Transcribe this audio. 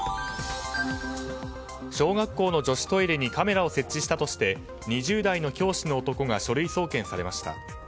小学校の女子トイレにカメラを設置したとして２０代の教師の男が書類送検されました。